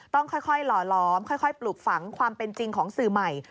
ต้องค่อยหล่อล้อมค่อยปลูกฝังความเป็นจริงของสื่อใหม่